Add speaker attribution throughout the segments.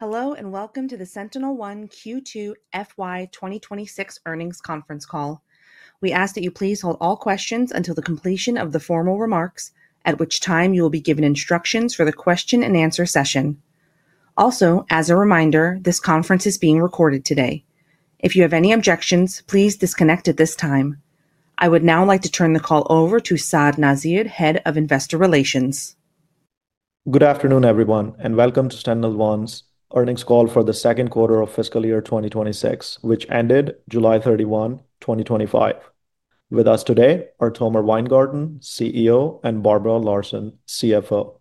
Speaker 1: Hello and welcome to the SentinelOne Q2 FY 2026 Earnings Conference Call. We ask that you please hold all questions until the completion of the formal remarks, at which time you will be given instructions for the question-and-answer session. Also, as a reminder, this conference is being recorded today. If you have any objections, please disconnect at this time. I would now like to turn the call over to Saad Nazir, Head of Investor Relations.
Speaker 2: Good afternoon everyone and welcome to SentinelOne's earnings call for the second quarter of fiscal year 2026, which ended July 31, 2025. With us today are Tomer Weingarten, CEO, and Barbara Larson, CFO.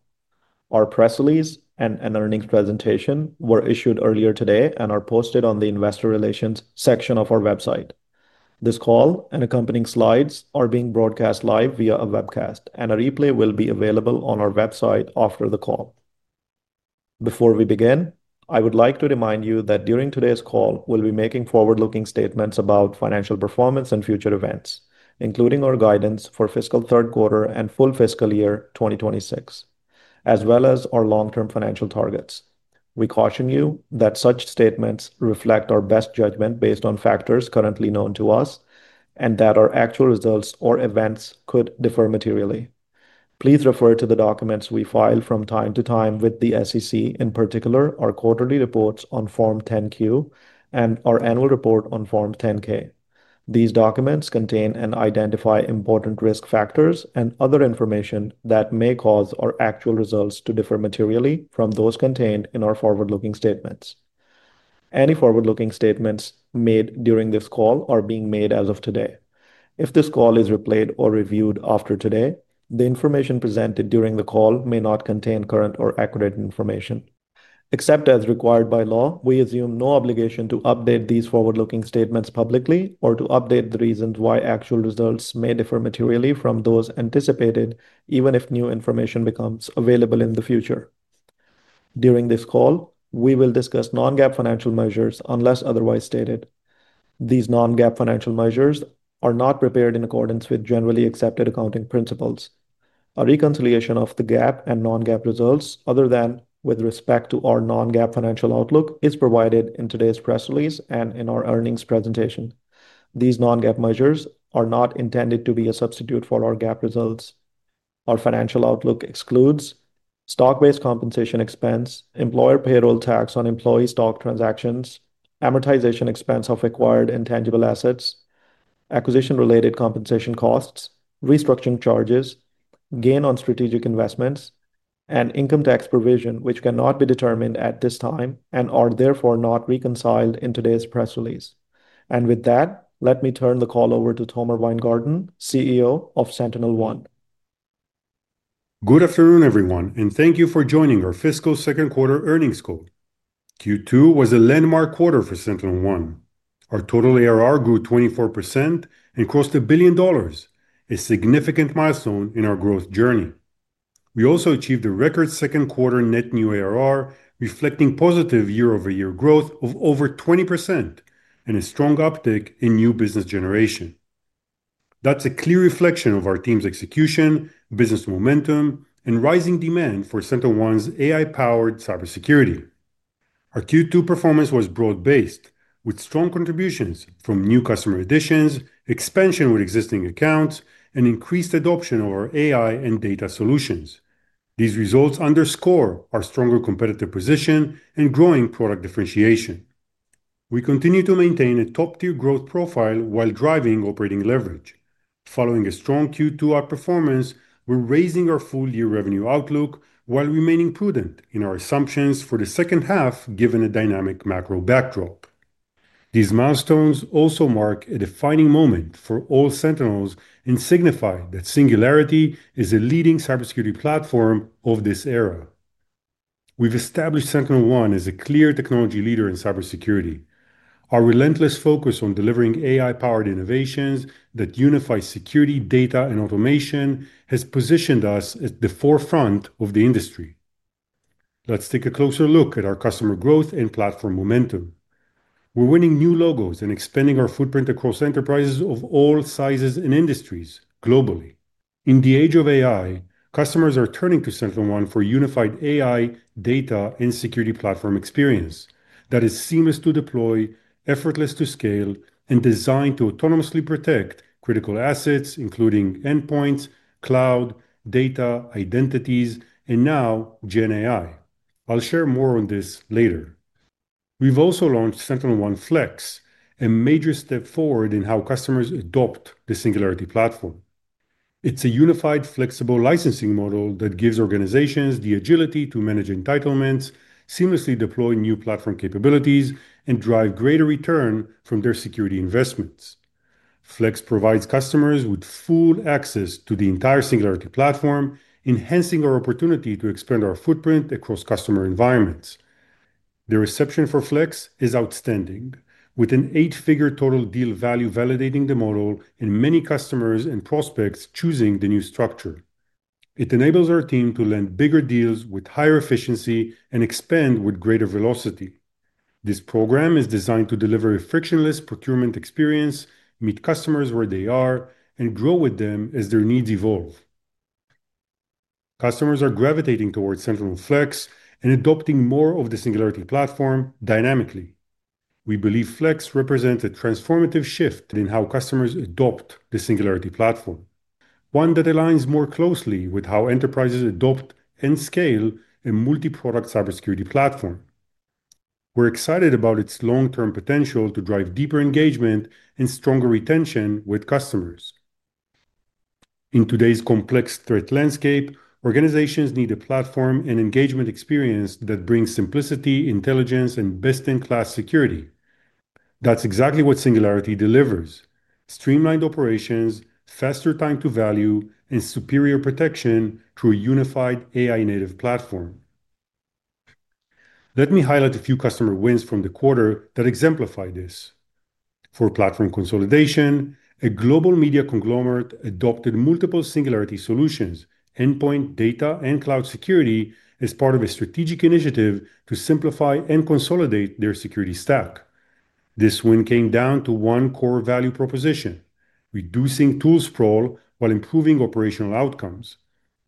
Speaker 2: Our press release and an earnings presentation were issued earlier today and are posted on the Investor Relations section of our website. This call and accompanying slides are being broadcast live via a webcast, and a replay will be available on our website after the call. Before we begin, I would like to remind you that during today's call we'll be making forward-looking statements about financial performance and future events, including our guidance for fiscal third quarter and full fiscal year 2026, as well as our long-term financial targets. We caution you that such statements reflect our best judgment based on factors currently known to us and that our actual results or events could differ materially. Please refer to the documents we file from time to time with the SEC, in particular our quarterly reports on Form 10-Q and our annual report on Form 10-K. These documents contain and identify important risk factors and other information that may cause our actual results to differ materially from those contained in our forward-looking statements. Any forward-looking statements made during this call are being made as of today. If this call is replayed or reviewed after today, the information presented during the call may not contain current or accurate information except as required by law. We assume no obligation to update these forward-looking statements publicly or to update the reasons why actual results may differ materially from those anticipated, even if new information becomes available in the future. During this call we will discuss non-GAAP financial measures. Unless otherwise stated, these non-GAAP financial measures are not prepared in accordance with Generally Accepted Accounting Principles. A reconciliation of the GAAP and non-GAAP results, other than with respect to our non-GAAP financial outlook, is provided in today's press release and in our earnings presentation. These non-GAAP measures are not intended to be a substitute for our GAAP results. Our financial outlook excludes stock-based compensation expense, employer payroll tax on employee stock transactions, amortization expense of acquired intangible assets, acquisition-related compensation costs, restructuring charges, gain on strategic investments, and income tax provision, which cannot be determined at this time and are therefore not reconciled in today's press release. With that, let me turn the call over to Tomer Weingarten, CEO of SentinelOne.
Speaker 3: Good afternoon everyone and thank you for joining our fiscal second quarter earnings call. Q2 was a landmark quarter for SentinelOne. Our total ARR grew 24% and crossed $1 billion, a significant milestone in our growth journey. We also achieved a record second quarter net new ARR reflecting positive year-over-year growth of over 20% and a strong uptick in new business generation. That's a clear reflection of our team's execution, business momentum, and rising demand for SentinelOne's AI-powered cybersecurity. Our Q2 performance was broad-based with strong contributions from new customer additions, expansion with existing accounts, and increased adoption of our AI and data solutions. These results underscore our stronger competitive position and growing product differentiation. We continue to maintain a top-tier growth profile while driving operating leverage. Following a strong Q2 outperformance, we're raising our full-year revenue outlook while remaining prudent in our assumptions for the second half given a dynamic macro backdrop. These milestones also mark a defining moment for all Sentinels and signify that Singularity is a leading cybersecurity platform of this era. We've established SentinelOne as a clear technology leader in cybersecurity. Our relentless focus on delivering AI-powered innovations that unify security, data, and automation has positioned us at the forefront of the industry. Let's take a closer look at our customer growth and platform momentum. We're winning new logos and expanding our footprint across enterprises of all sizes and industries globally. In the age of AI, customers are turning to SentinelOne for unified AI, data, and security platform experience that is seamless to deploy, effortless to scale, and designed to autonomously protect critical assets including endpoints, cloud data, identities, and now GenAI. I'll share more on this later. We've also launched SentinelOne Flex, a major step forward in how customers adopt the Singularity Platform. It's a unified, flexible licensing model that gives organizations the agility to manage entitlements and seamlessly deploy new platform capabilities and drive greater return from their security investments. Flex provides customers with full access to the entire Singularity Platform, enhancing our opportunity to expand our footprint across customer environments. The reception for Flex is outstanding, with an eight-figure total deal value validating the model and many customers and prospects choosing the new structure. It enables our team to land bigger deals with higher efficiency and expand with greater velocity. This program is designed to deliver a frictionless procurement experience, meet customers where they are, and grow with them as their needs evolve. Customers are gravitating towards Sentinel Flex and adopting more of the Singularity Platform. Dynamically, we believe Flex represents a transformative shift in how customers adopt the Singularity Platform, one that aligns more closely with how enterprises adopt and scale a multi-product cybersecurity platform. We're excited about its long-term potential to drive deeper engagement and stronger retention with customers in today's complex threat landscape. Organizations need a platform and engagement experience that brings simplicity, intelligence, and best-in-class security. That's exactly what Singularity delivers: streamlined operations, faster time to value, and superior protection through a unified AI-native platform. Let me highlight a few customer wins from the quarter that exemplify this for platform consolidation. A global media conglomerate adopted multiple Singularity solutions, Endpoint, Data, and Cloud Security, as part of a strategic initiative to simplify and consolidate their security stack. This win came down to one core value proposition: reducing tool sprawl while improving operational outcomes,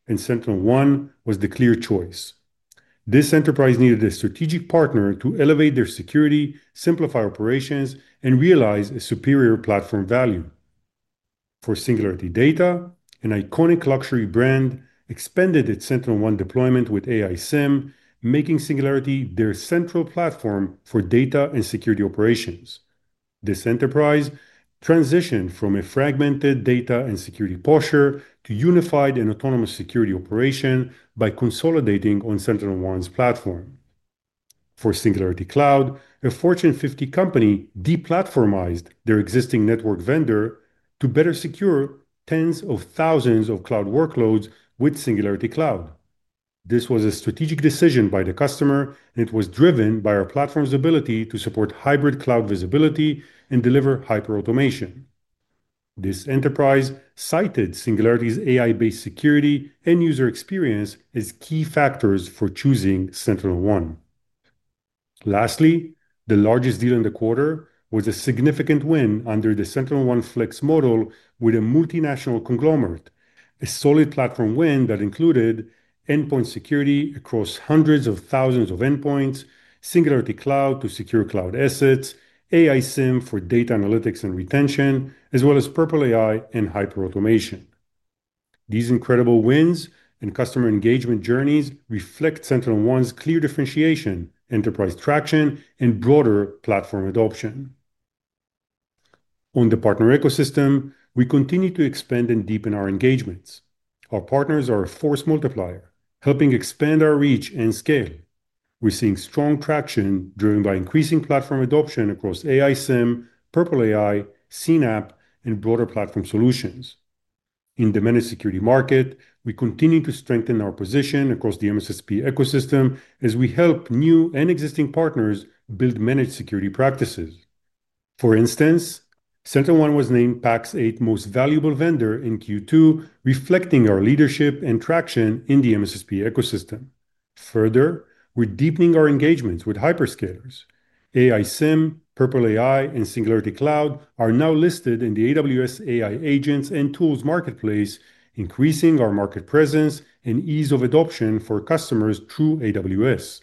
Speaker 3: and SentinelOne was the clear choice. This enterprise needed a strategic partner to elevate their security, simplify operations, and realize a superior platform value. For Singularity Data, an iconic luxury brand expanded its SentinelOne deployment with AI SIEM, making Singularity their central platform for data and security operations. This enterprise transitioned from a fragmented data and security posture to unified and autonomous security operations by consolidating on SentinelOne's platform. For Singularity Cloud, a Fortune 50 company deplatformized their existing network vendor to better secure tens of thousands of cloud workloads. With Singularity Cloud, this was a strategic decision by the customer, and it was driven by our platform's ability to support hybrid cloud visibility and deliver hyperautomation. This enterprise cited Singularity's AI-based security and user experience as key factors for choosing SentinelOne. Lastly, the largest deal in the quarter was a significant win under the SentinelOne Flex model with a multinational conglomerate. A solid platform win that included endpoint security across hundreds of thousands of endpoints, Singularity Cloud to secure cloud assets, AI SIEM for data analytics and retention, as well as Purple AI and Hyperautomation. These incredible wins and customer engagement journeys reflect SentinelOne's clear differentiation, enterprise traction, and broader platform adoption on the partner ecosystem. We continue to expand and deepen our engagements. Our partners are a force multiplier, helping expand our reach and scale. We're seeing strong traction driven by increasing platform adoption across AI SIEM, Purple AI, CNAPP, and broader platform solutions in the managed security market. We continue to strengthen our position across the MSSP ecosystem as we help new and existing partners build managed security practices. For instance, SentinelOne was named Pax8's most valuable vendor in Q2, reflecting our leadership and traction in the MSSP ecosystem. Further, we're deepening our engagements with hyperscalers. AI SIEM, Purple AI, and Singularity Cloud are now listed in the AWS AI Agents and Tools marketplace, increasing our market presence and ease of adoption for customers through AWS.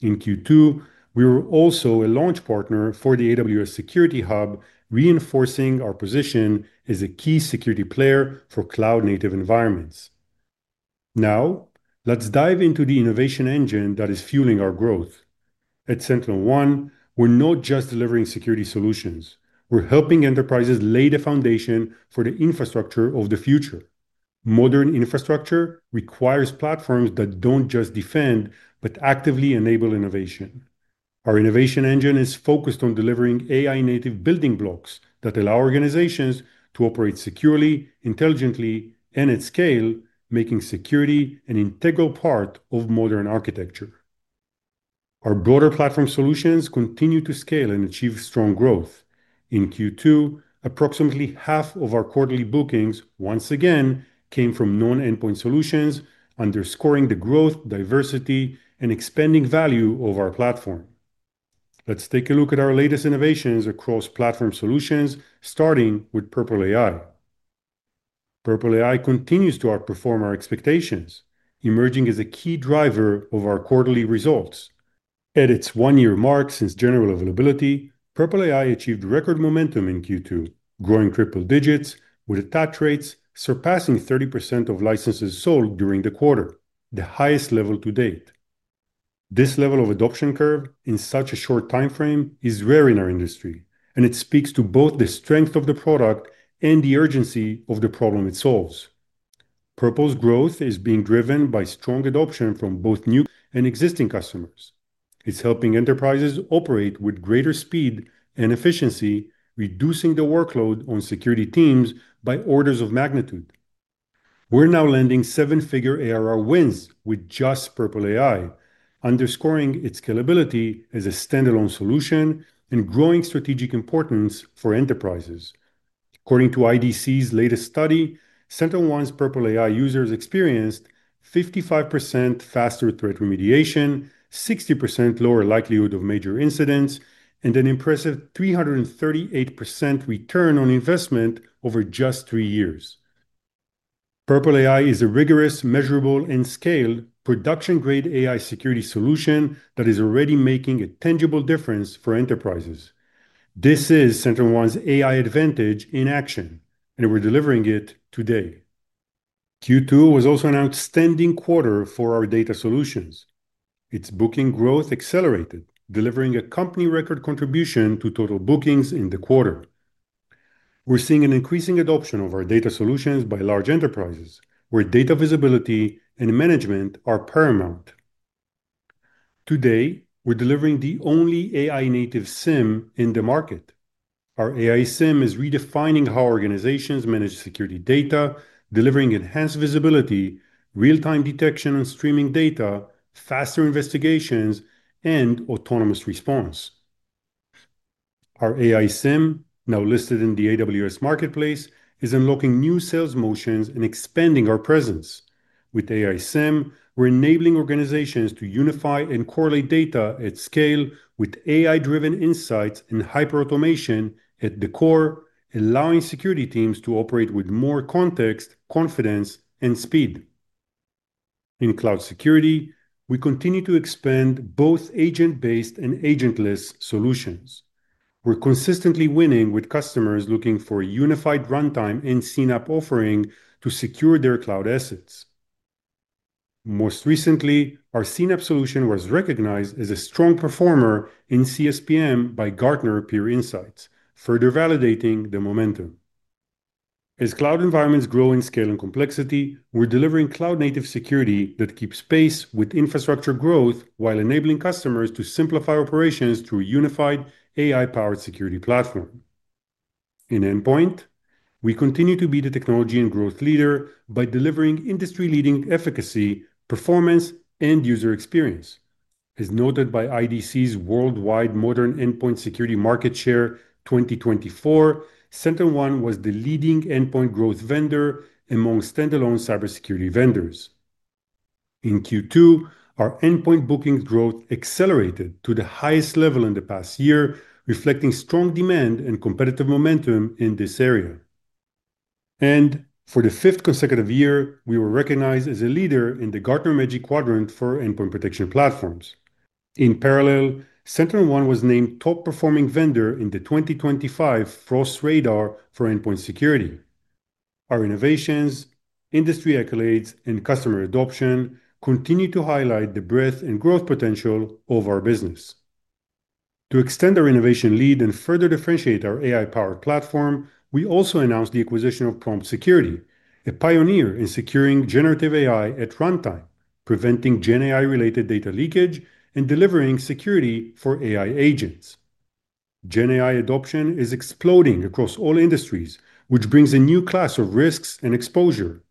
Speaker 3: In Q2, we were also a launch partner for the AWS Security Hub, reinforcing our position as a key security player for cloud-native environments. Now let's dive into the innovation engine that is fueling our growth at SentinelOne. We're not just delivering security solutions, we're helping enterprises lay the foundation for the infrastructure of the future. Modern infrastructure requires platforms that don't just defend, but actively enable innovation. Our innovation engine is focused on delivering AI-native building blocks that allow organizations to operate securely, intelligently, and at scale, making security an integral part of modern architecture. Our broader platform solutions continue to scale and achieve strong growth in Q2. Approximately half of our quarterly bookings once again came from non-endpoint solutions, underscoring the growth, diversity, and expanding value of our platform. Let's take a look at our latest innovations across platform solutions, starting with Purple AI. Purple AI continues to outperform our expectations, emerging as a key driver of our quarterly results. At its one year mark since general availability, Purple AI achieved record momentum in Q2, growing triple digits with attach rates surpassing 30% of licenses sold during the quarter, the highest level to date. This level of adoption curve in such a short time frame is rare in our industry, and it speaks to both the strength of the product and the urgency of the problem it solves. Purple's growth is being driven by strong adoption from both new and existing customers. It's helping enterprises operate with greater speed and efficiency, reducing the workload on security teams by orders of magnitude. We're now landing seven-figure annual recurring revenue (ARR) wins with just Purple AI, underscoring its scalability as a stand-alone solution and growing strategic importance for enterprises. According to IDC's latest study, SentinelOne's Purple AI users experienced 55% faster threat remediation, 60% lower likelihood of major incidents, and an impressive 338% return on investment over just three years. Purple AI is a rigorous, measurable, and scaled production-grade AI security solution that is already making a tangible difference for enterprises. This is SentinelOne's AI advantage in action, and we're delivering it today. Q2 was also an outstanding quarter for our data solutions. Its booking growth accelerated, delivering a company record contribution to total bookings in the quarter. We're seeing an increasing adoption of our data solutions by large enterprises where data visibility and management are paramount. Today we're delivering the only AI-native SIEM in the market. Our AI SIEM is redefining how organizations manage security data, delivering enhanced visibility, real-time detection and streaming data, faster investigations, and autonomous response. Our AI SIEM, now listed in the AWS Marketplace, is unlocking new sales motions and expanding our presence. With AI SIEM, we're enabling organizations to unify and correlate data at scale with AI-driven insights and Hyperautomation at the core, allowing security teams to operate with more context, confidence, and speed. In cloud security, we continue to expand both agent-based and agentless solutions. We're consistently winning with customers looking for a unified runtime and CNAPP offering to secure their cloud assets. Most recently, our CNAPP solution was recognized as a strong performer in CSPM by Gartner Peer Insights, further validating the momentum as cloud environments grow in scale and complexity. We're delivering Cloud Native Security that keeps pace with infrastructure growth while enabling customers to simplify operations through a unified AI-powered security platform. In Endpoint, we continue to be the technology and growth leader by delivering industry-leading efficacy, performance, and user experience. As noted by IDC's Worldwide Modern Endpoint Security Market Share 2024, SentinelOne was the leading endpoint growth vendor among stand-alone cybersecurity vendors in Q2. Our endpoint booking growth accelerated to the highest level in the past year, reflecting strong demand and competitive momentum in this area, and for the fifth consecutive year we were recognized as a leader in the Gartner Magic Quadrant for Endpoint Protection Platforms. In parallel, SentinelOne was named top-performing vendor in the 2025 Frost Radar for Endpoint Security. Our innovations, industry accolades, and customer adoption continue to highlight the breadth and growth potential of our business. To extend our innovation lead and further differentiate our AI-powered platform, we also announced the acquisition of Prompt Security, a pioneer in securing generative AI at runtime, preventing generated data leakage, and delivering security for AI agents. GenAI adoption is exploding across all industries, which brings a new class of risks and exposure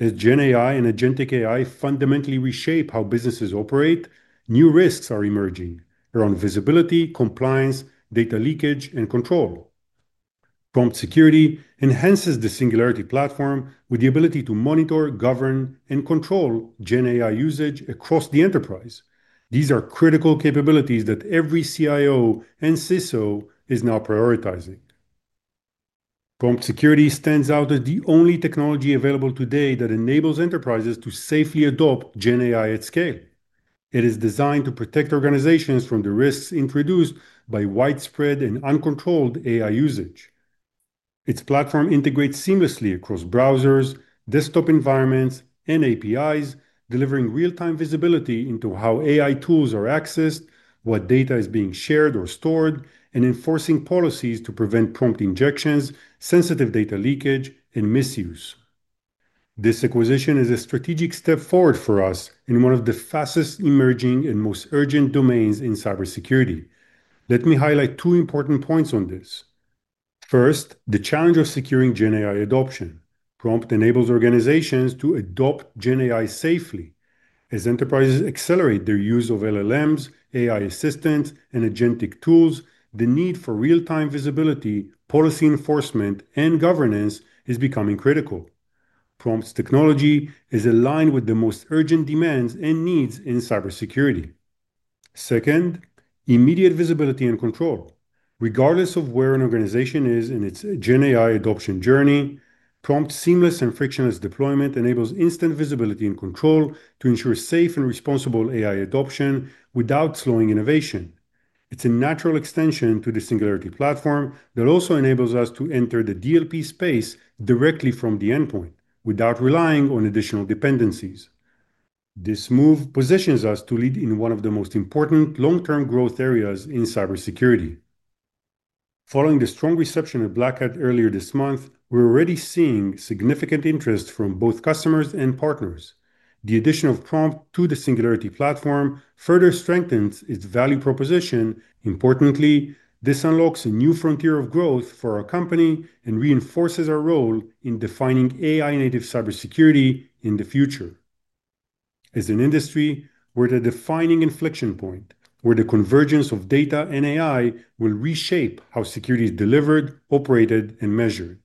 Speaker 3: as GenAI and Agentic AI fundamentally reshape how businesses operate. New risks are emerging around visibility, compliance, data leakage, and control. Prompt Security enhances the Singularity Platform with the ability to monitor, govern, and control GenAI usage across the enterprise. These are critical capabilities that every CIO and CISO is now prioritizing. Prompt Security stands out as the only technology available today that enables enterprises to safely adopt GenAI at scale. It is designed to protect organizations from the risks introduced by widespread and uncontrolled AI usage. Its platform integrates seamlessly across browsers, desktop environments, and APIs, delivering real-time visibility into how AI tools are accessed, what data is being shared or stored, and enforcing policies to prevent prompt injections, sensitive data leakage, and misuse. This acquisition is a strategic step forward for us in one of the fastest emerging and most urgent domains in cybersecurity. Let me highlight two important points on this. First, the challenge of securing GenAI adoption. Prompt enables organizations to adopt GenAI safely. As enterprises accelerate their use of LLMs, AI assistants, and agentic tools, the need for real-time visibility, policy enforcement, and governance is becoming critical. Prompt's technology is aligned with the most urgent demands and needs in cybersecurity. Second, immediate visibility and control. Regardless of where an organization is in its GenAI adoption journey, Prompt, seamless and frictionless deployment, enables instant visibility and control to ensure safe and responsible AI adoption without slowing innovation. It's a natural extension to the Singularity Platform that also enables us to enter the DLP space directly from the endpoint without relying on additional dependencies. This move positions us to lead in one of the most important long-term growth areas in cybersecurity. Following the strong reception at Black Hat earlier this month, we're already seeing significant interest from both customers and partners. The addition of Prompt to the Singularity Platform further strengthens its value proposition. Importantly, this unlocks a new frontier of growth for our company and reinforces our role in defining AI-native cybersecurity in the future. As an industry, we're at a defining inflection point where the convergence of data and AI will reshape how security is delivered, operated, and measured.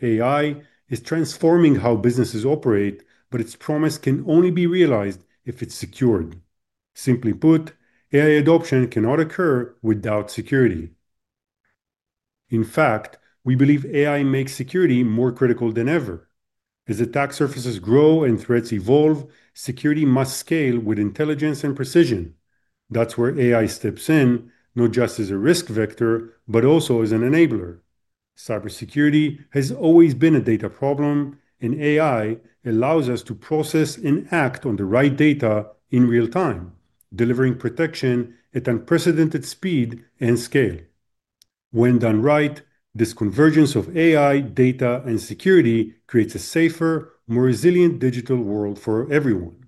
Speaker 3: AI is transforming how businesses operate, but its promise can only be realized if it's secured. Simply put, AI adoption cannot occur without security. In fact, we believe AI makes security more critical than ever. As attack surfaces grow and threats evolve, security must scale with intelligence and precision. That's where AI steps in, not just as a risk vector, but also as an enabler. Cybersecurity has always been a data problem, and AI allows us to process and act on the right data in real time, delivering protection at unprecedented speed and scale. When done right, this convergence of AI, data, and security creates a safer, more resilient digital world for everyone.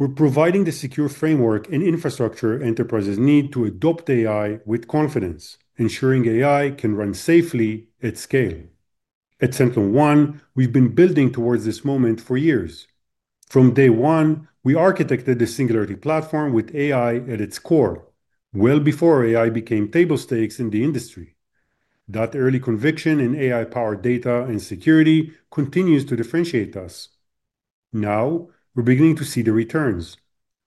Speaker 3: We're providing the secure framework and infrastructure enterprises need to adopt AI with confidence, ensuring AI can run safely at scale. At SentinelOne, we've been building towards this moment for years. From day one, we architected the Singularity Platform with AI at its core well before AI became table stakes in the industry. That early conviction in AI-powered data and security continues to differentiate us. Now we're beginning to see the returns.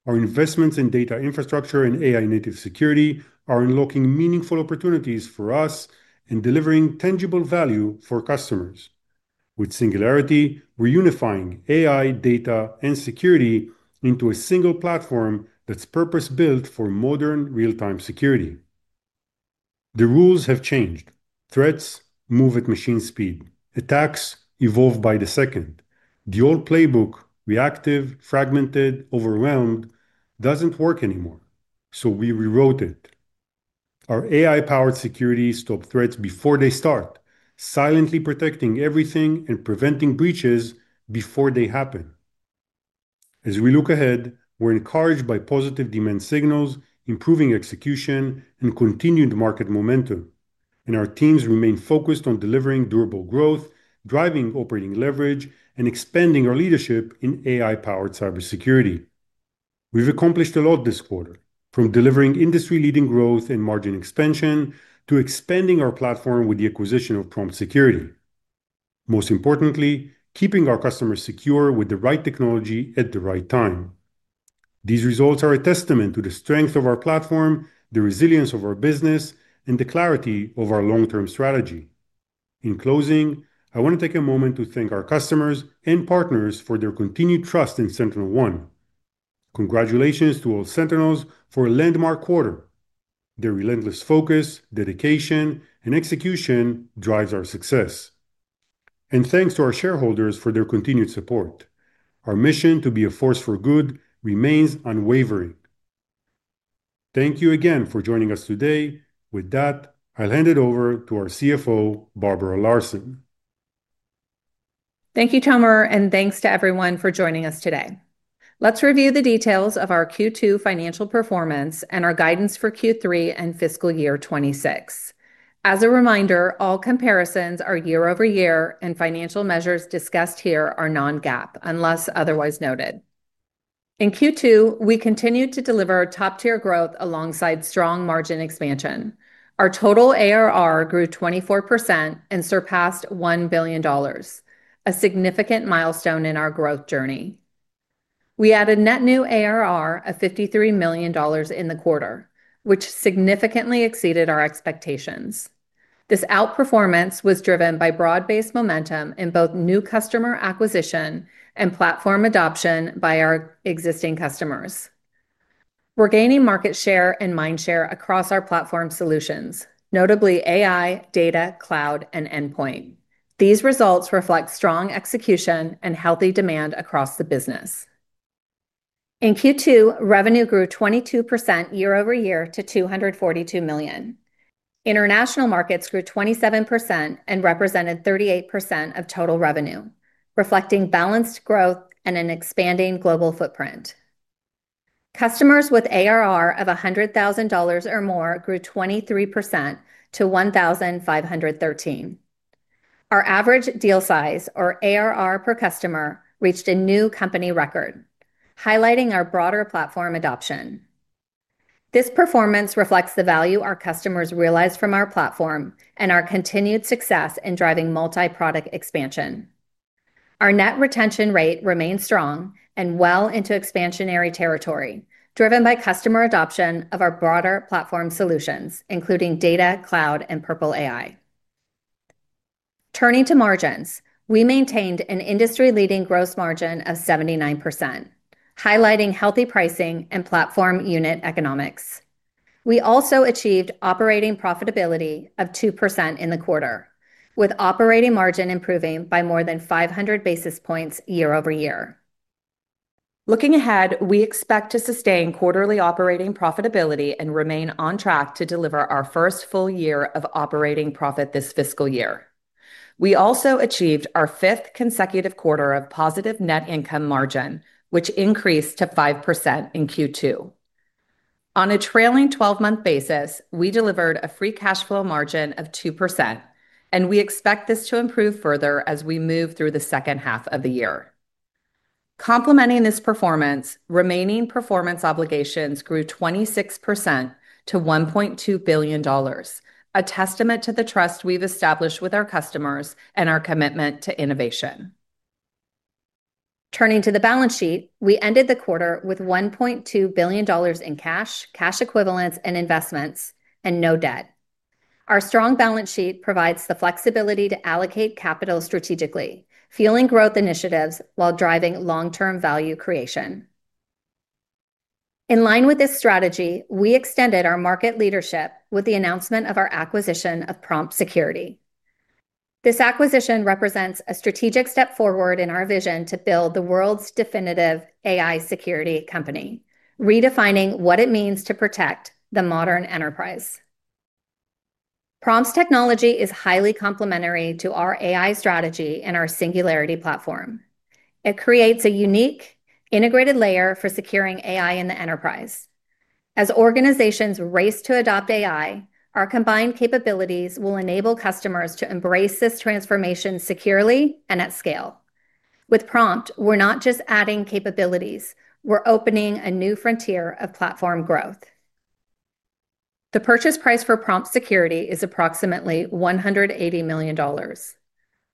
Speaker 3: Our investments in data infrastructure and AI-native security are unlocking meaningful opportunities for us and delivering tangible value for customers. With Singularity, we're unifying AI, data, and security into a single platform that's purpose-built for modern real-time security. The rules have changed. Threats move at machine speed, attacks evolve by the second. The old playbook—reactive, fragmented, overwhelmed—doesn't work anymore, so we rewrote it. Our AI-powered security stops threats before they start, silently protecting everything and preventing breaches before they happen. As we look ahead, we're encouraged by positive demand signals, improving execution, and continued market momentum, and our teams remain focused on delivering durable growth, driving operating leverage, and expanding our leadership in AI-powered cybersecurity. We've accomplished a lot this quarter, from delivering industry-leading growth and margin expansion to expanding our platform with the acquisition of Prompt Security. Most importantly, keeping our customers secure with the right technology at the right time. These results are a testament to the strength of our platform, the resilience of our business, and the clarity of our long-term strategy. In closing, I want to take a moment to thank our customers and partners for their continued trust in SentinelOne. Congratulations to all Sentinels for a landmark quarter. Their relentless focus, dedication, and execution drive our success, and thanks to our shareholders for their continued support. Our mission to be a force for good remains unwavering. Thank you again for joining us today. With that, I'll hand it over to our CFO, Barbara Larson.
Speaker 4: Thank you Tomer and thanks to everyone for joining us today. Let's review the details of our Q2 financial performance and our guidance for Q3 and fiscal year 2026. As a reminder, all comparisons are year over year and financial measures discussed here are non-GAAP unless otherwise noted. In Q2 we continued to deliver top-tier growth alongside strong margin expansion. Our total ARR grew 24% and surpassed $1 billion, a significant milestone in our growth journey. We added net new ARR of $53 million in the quarter, which significantly exceeded our expectations. This outperformance was driven by broad-based momentum in both new customer acquisition and platform adoption by our existing customers. We're gaining market share and mindshare across our platform solutions, notably AI Data, Cloud, and Endpoint. These results reflect strong execution and healthy demand across the business. In Q2, revenue grew 22% year-over-year to $242 million. International markets grew 27% and represented 38% of total revenue, reflecting balanced growth and an expanding global footprint. Customers with ARR of $100,000 or more grew 23% to 1,513. Our average deal size or ARR per customer reached a new company record, highlighting our broader platform adoption. This performance reflects the value our customers realize from our platform and our continued success in driving multi-product expansion. Our net retention rate remains strong and well into expansionary territory, driven by customer adoption of our broader platform solutions including Data, Cloud, and Purple AI. Turning to margins, we maintained an industry-leading gross margin of 79%, highlighting healthy pricing and platform unit economics. We also achieved operating profitability of 2% in the quarter, with operating margin improving by more than 500 basis points year-over-year. Looking ahead, we expect to sustain quarterly operating profitability and remain on track to deliver our first full year of operating profit this fiscal year. We also achieved our fifth consecutive quarter of positive net income margin, which increased to 5% in Q2. On a trailing 12-month basis, we delivered a free cash flow margin of 2%, and we expect this to improve further as we move through the second half of the year. Complementing this performance, remaining performance obligations grew 26% to $1.2 billion, a testament to the trust we've established with our customers and our commitment to innovation. Turning to the balance sheet, we ended the quarter with $1.2 billion in cash, cash equivalents, and investments and no debt. Our strong balance sheet provides the flexibility to allocate capital strategically, fueling growth initiatives while driving long-term value creation. In line with this strategy, we extended our market leadership with the announcement of our acquisition of Prompt Security. This acquisition represents a strategic step forward in our vision to build the world's definitive AI security company, redefining what it means to protect the modern enterprise. Prompt's technology is highly complementary to our AI strategy and our Singularity Platform. It creates a unique, integrated layer for securing AI in the enterprise. As organizations race to adopt AI, our combined capabilities will enable customers to embrace this transformation securely and at scale. With Prompt, we're not just adding capabilities, we're opening a new frontier of platform growth. The purchase price for Prompt Security is approximately $180 million.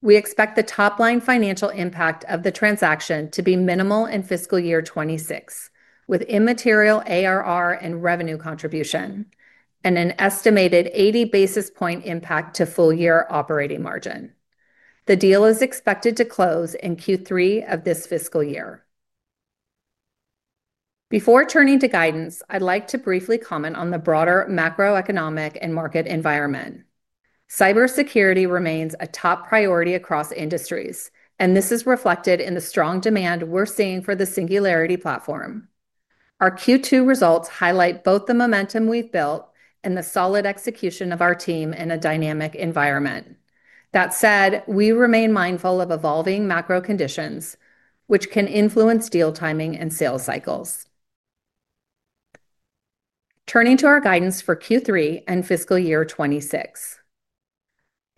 Speaker 4: We expect the top-line financial impact of the transaction to be minimal in fiscal year 2026 with immaterial ARR and revenue contribution and an estimated 80 basis point impact to full-year operating margin. The deal is expected to close in Q3 of this fiscal year. Before turning to guidance, I'd like to briefly comment on the broader macroeconomic and market environment. Cybersecurity remains a top priority across industries, and this is reflected in the strong demand we're seeing for the Singularity Platform. Our Q2 results highlight both the momentum we've built and the solid execution of our team in a dynamic environment. That said, we remain mindful of evolving macro conditions which can influence deal timing and sales cycles. Turning to our guidance for Q3 and fiscal year 2026,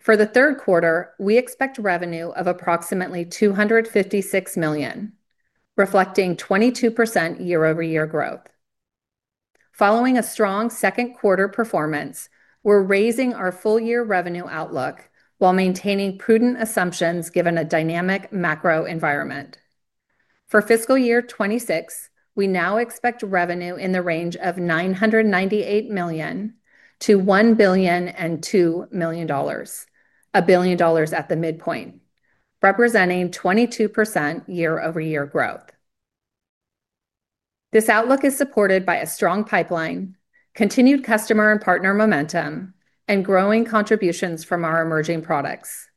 Speaker 4: for the third quarter we expect revenue of approximately $256 million, reflecting 22% year-over-year growth. Following a strong second quarter performance, we're raising our full-year revenue outlook while maintaining prudent assumptions given a dynamic macro environment. For fiscal year 2026, we now expect revenue in the range of $998 million-$1.2 billion, a billion dollars at the midpoint, representing 22% year-over-year growth. This outlook is supported by a strong pipeline, continued customer and partner momentum, and growing contributions from our emerging products.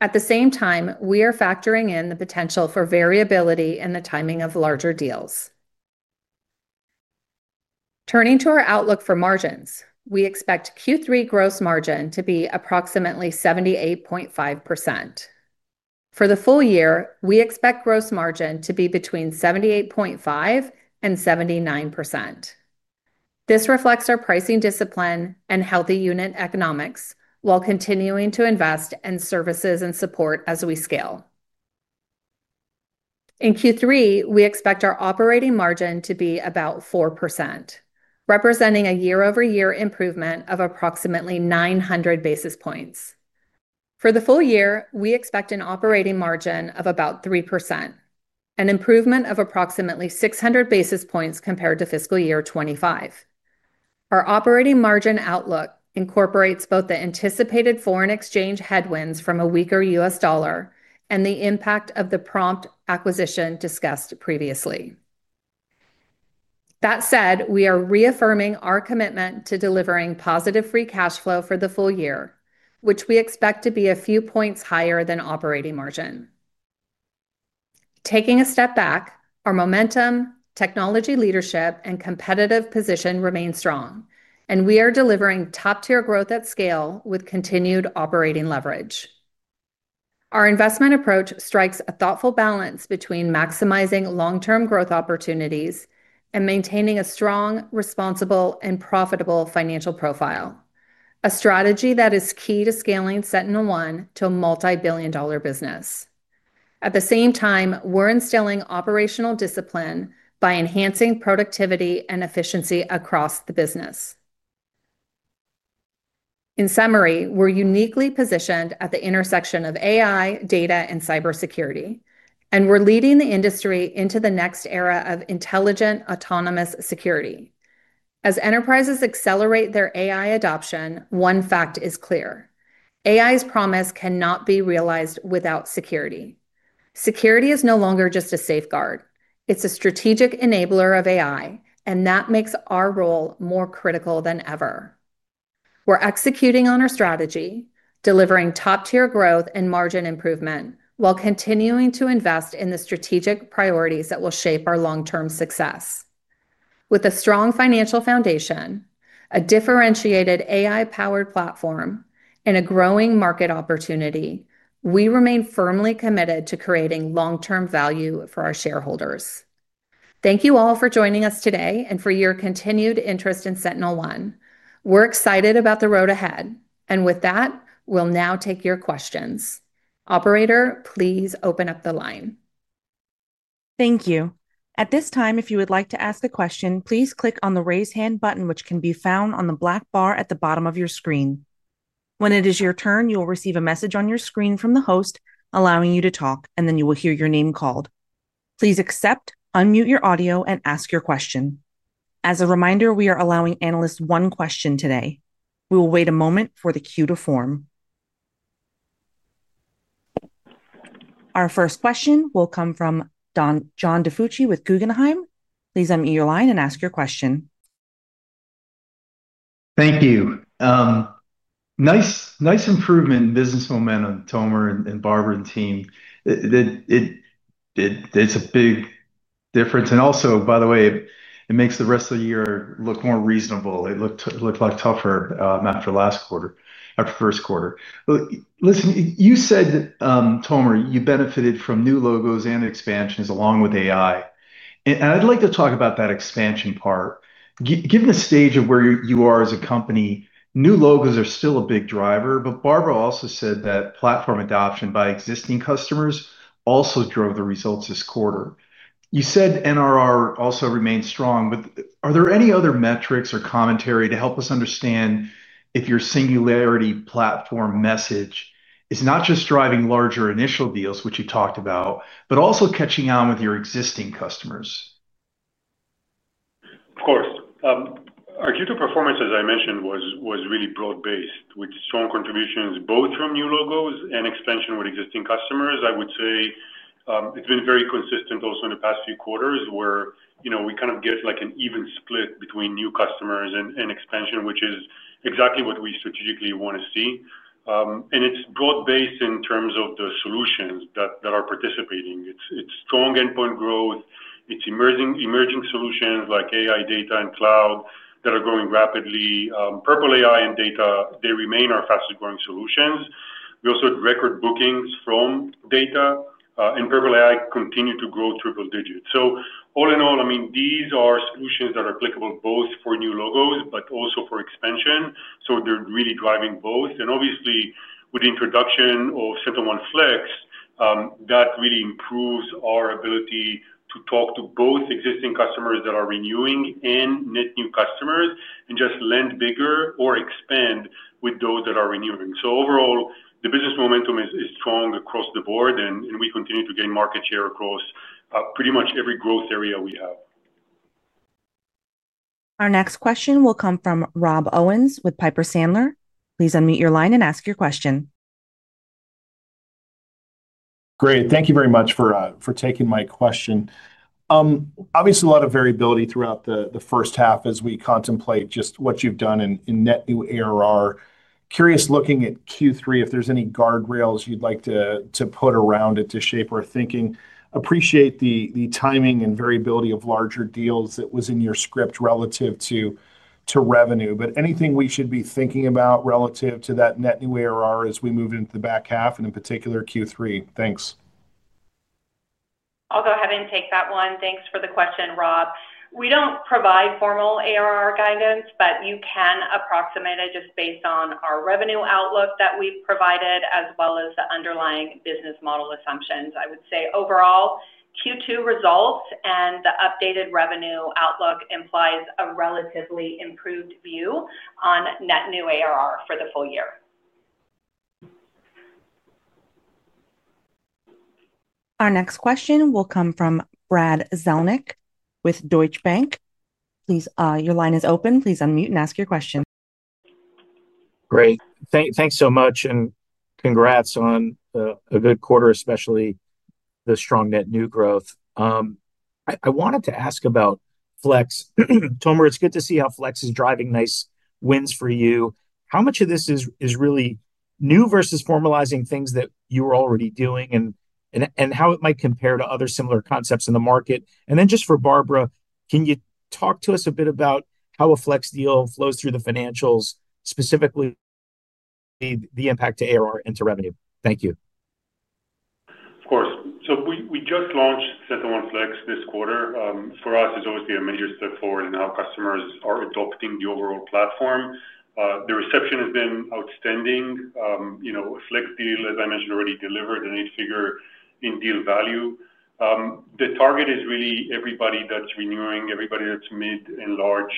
Speaker 4: At the same time, we are factoring in the potential for variability in the timing of larger deals. Turning to our outlook for margins, we expect Q3 gross margin to be approximately 78.5%. For the full year, we expect gross margin to be between 78.5% and 79%. This reflects our pricing discipline and healthy unit economics while continuing to invest in services and support. As we scale in Q3, we expect our operating margin to be about 4%, representing a year-over-year improvement of approximately 900 basis points. For the full year, we expect an operating margin of about 3%, an improvement of approximately 600 basis points compared to fiscal year 2025. Our operating margin outlook incorporates both the anticipated foreign exchange headwinds from a weaker U.S. dollar and the impact of the Prompt acquisition discussed previously. That said, we are reaffirming our commitment to delivering positive free cash flow for the full year, which we expect to be a few points higher than operating margin. Taking a step back, our momentum, technology, leadership, and competitive position remain strong and we are delivering top tier growth at scale with continued operating leverage. Our investment approach strikes a thoughtful balance between maximizing long term growth opportunities and maintaining a strong, responsible, and profitable financial profile, a strategy that is key to scaling SentinelOne to a multibillion-dollar business. At the same time, we're instilling operational discipline by enhancing productivity and efficiency across the business. In summary, we're uniquely positioned at the intersection of AI, data, and cybersecurity and we're leading the industry into the next era of intelligent autonomous security. As enterprises accelerate their AI adoption, one fact is clear, AI's promise cannot be realized without security. Security is no longer just a safeguard, it's a strategic enabler of AI and that makes our role more critical than ever. We're executing on our strategy, delivering top tier growth and margin improvement while continuing to invest in the strategic priorities that will shape our long-term success. With a strong financial foundation, a differentiated AI-powered platform, and a growing market opportunity, we remain firmly committed to creating long term value for our shareholders. Thank you all for joining us today and for your continued interest in SentinelOne. We're excited about the road ahead, and with that, we'll now take your questions. Operator, please open up the line.
Speaker 1: Thank you. At this time, if you would like to ask a question, please click on the Raise Hand button which can be found on the black bar at the bottom of your screen. When it is your turn, you will receive a message on your screen from the host allowing you to talk, and then you will hear your name called. Please accept, unmute your audio, and ask your question. As a reminder, we are allowing analysts one question today. We will wait a moment for the queue. Our first question will come from John DiFucci with Guggenheim. Please unmute your line and ask your question.
Speaker 5: Thank you. Nice improvement in business momentum, Tomer and Barbara and team. It's a big difference, and also, by the way, it makes the rest of the year look more reasonable. It looked a lot tougher after last quarter, our first quarter. You said, Tomer, you benefited from new logos and expansions along with AI, and I'd like to talk about that expansion part. Given the stage of where you are as a company, new logos are still a big driver. Barbara also said that platform adoption by existing customers also drove the results this quarter. You said NRR also remains strong, but are there any other metrics or commentary to help us understand if your Singularity Platform message is not just driving larger initial deals, which you talked about, but also catching on with your existing customers?
Speaker 3: Of course, our Q2 performance, as I mentioned, was really broad based with strong contributions both from new logos and expansion with existing customers. I would say it's been very consistent also in the past few quarters where we kind of get an even split between new customers and expansion, which is exactly what we strategically want to see. It's broad based in terms of the solutions that are participating. It's strong endpoint growth, it's emerging solutions like AI, data, and cloud that are growing rapidly. Purple AI and Data, they remain our fastest growing solutions. We also had record bookings from Data, and Purple AI continues to grow triple digits. All in all, these are solutions that are applicable both for new logos but also for expansion. They're really driving both. Obviously, with the introduction of SentinelOne Flex, that really improves our ability to talk to both existing customers that are renewing and net new customers and just lend bigger or expand with those that are renewing. Overall, the business momentum is strong across the board, and we continue to gain market share across pretty much every growth area we have.
Speaker 1: Our next question will come from Rob Owens with Piper Sandler. Please unmute your line and ask your question.
Speaker 6: Great. Thank you very much for taking my question. Obviously a lot of variability throughout the first half as we contemplate just what you've done in net new ARR. Curious looking at Q3 if there's any guardrails you'd like to put around it to shape our thinking. Appreciate the timing and variability of larger deals that was in your script relative to revenue, but anything we should be thinking about relative to that net new ARR as we move into the back half and in particular Q3. Thanks.
Speaker 4: I'll go ahead and take that one. Thanks for the question, Rob. We don't provide formal ARR guidance, but you can approximate it just based on our revenue outlook that we've provided, as well as the underlying business model assumptions. I would say overall Q2 results and the updated revenue outlook imply a relatively improved view on net new ARR for the full year.
Speaker 1: Our next question will come from Brad Zelnick with Deutsche Bank. Please, your line is open. Please unmute and ask your question.
Speaker 7: Great. Thanks so much and congrats on a good quarter, especially the strong net new growth. I wanted to ask about Flex, Tomer. It's good to see how Flex is driving nice wins for you. How much of this is really new versus formalizing things that you were already doing, and how it might compare to other similar concepts in the market. Just for Barbara, can you talk to us a bit about how a Flex deal flows through the financials, specifically the impact to ARR and to revenue. Thank you.
Speaker 3: Of course. We just launched SentinelOne Flex this quarter. For us, it's obviously a major step forward in our customers adopting the overall platform. The reception has been outstanding. Flex deal, as I mentioned, already delivered an 8-figure deal value. The target is really everybody that's renewing, everybody that's mid and large